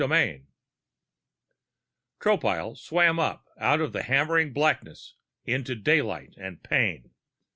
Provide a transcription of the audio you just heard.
XIV Tropile swam up out of hammering blackness into daylight and pain.